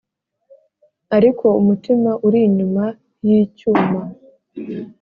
ariko umutima uri inyuma yicyuma